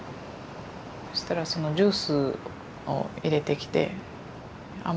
そしたらそのジュースを入れてきて。